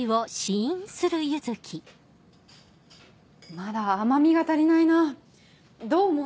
まだ甘みが足りないなどう思う？